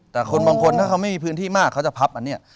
แต่คนบางคนถ้าเขาไม่มีพื้นที่มากเขาจะพับอันนี้